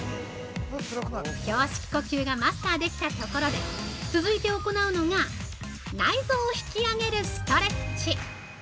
胸式呼吸がマスターできたところで続いて行うのが内臓を引き上げるストレッチ！